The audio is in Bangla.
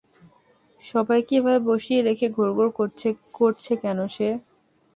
সবাইকে এভাবে বসিয়ে রেখে ঘুরঘুর করছে কেন সে?